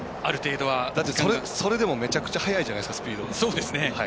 だって、それでもめちゃくちゃ速いじゃないですかスピード。